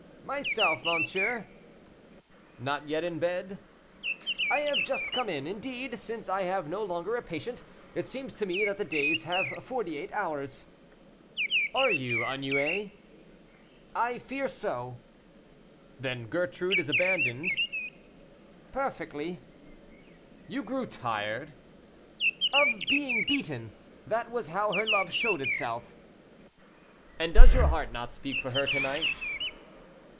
"Myself, monsieur." "Not yet in bed?" "I have just come in. Indeed, since I have no longer a patient, it seems to me that the days have forty eight hours." "Are you ennuyé?" "I fear so." "Then Gertrude is abandoned?" "Perfectly." "You grew tired?" "Of being beaten. That was how her love showed itself." "And does your heart not speak for her to night?"